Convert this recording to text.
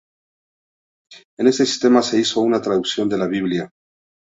En este sistema se hizo una traducción de la Biblia.